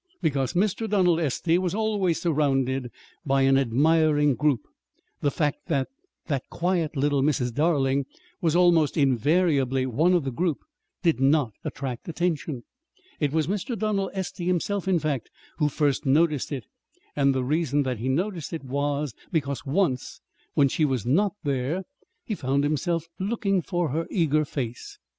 Because Mr. Donald Estey was always surrounded by an admiring group, the fact that "that quiet little Mrs. Darling" was almost invariably one of the group did not attract attention. It was Mr. Donald Estey himself, in fact, who first noticed it; and the reason that he noticed it was because once, when she was not there, he found himself looking for her eager face.